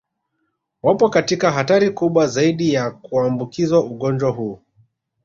Wapo katika hatari kubwa zaidi ya kuambukizwa ugonjwa huu